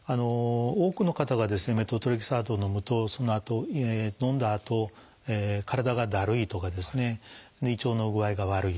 多くの方がメトトレキサートをのむとそのあとのんだあと体がだるいとかですね胃腸の具合が悪いと言われます。